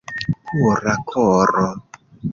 Pura koro!